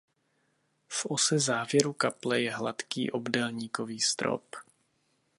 V ose závěru kaple je hladký obdélníkový strop.